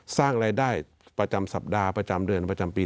สร้างรายได้ประจำสัปดาห์ประจำเดือนประจำปี